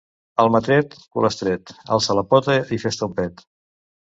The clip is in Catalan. Almatret, cul estret: alça la pota i fes-te un pet.